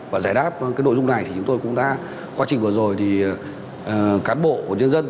và giải đáp cái nội dung này thì chúng tôi cũng đã quá trình vừa rồi thì cán bộ của nhân dân